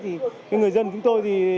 thì người dân chúng tôi thì